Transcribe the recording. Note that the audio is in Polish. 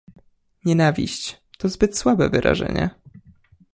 "Nienawiść, to zbyt słabe wyrażenie."